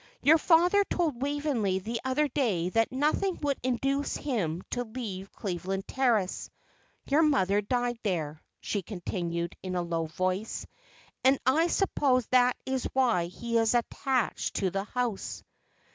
Your father told Waveney the other day that nothing would induce him to leave Cleveland Terrace. Your mother died there," she continued, in a low voice, "and I suppose that is why he is attached to the house."